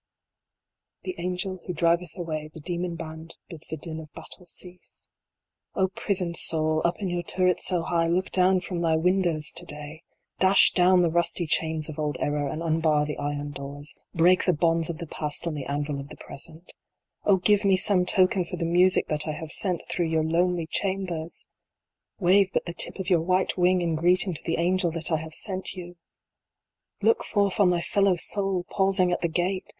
" The Angel Who driveth away the demon band Bids the din of battle cease." O prisoned Soul, up in your turrets so high, look down from thy windows to day I Dash down the rusty chains of old Error, and unbar the iron doors, Break the bonds of the Past on the anvil of the Present O give me some token for the music that I have sent through your lonely chambers 1 THE RELEASE. 29 Wave but the tip of your white wing in greeting to the Angel that I have sent you ! Look forth on thy fellow Soul pausing at the gate